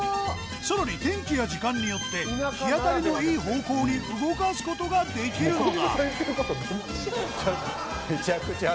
さらに天気や時間によって日当たりのいい方向に動かす事ができるのだドンピシャやな。